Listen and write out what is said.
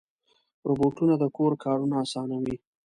روبوټونه د کور کارونه اسانوي.